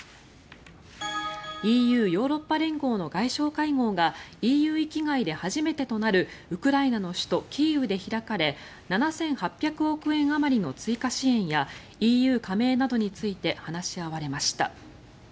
ＥＵ・ヨーロッパ連合の外相会合がＥＵ域外で初めてとなるウクライナの首都キーウで開かれ７８００億円あまりの追加支援やＥＵ加盟などについて話し合われました。